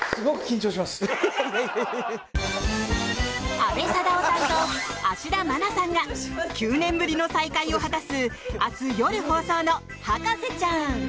阿部サダヲさんと芦田愛菜さんが９年ぶりの再会を果たす明日夜放送の「博士ちゃん」。